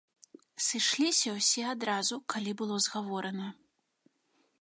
Сышліся ўсе адразу, калі было згаворана.